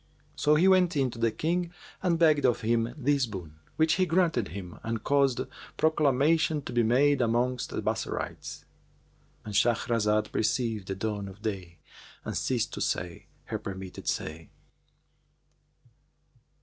'[FN#401] So he went in to the King and begged of him this boon, which he granted him and caused proclamation to be made amongst the Bassorites,"—And Shahrazad perceived the dawn of day and ceased to say her permitted say.